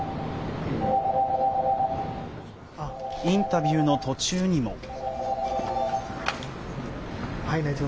インタビューの途中にも。